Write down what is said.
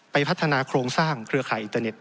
พัฒนาโครงสร้างเครือข่ายอินเตอร์เน็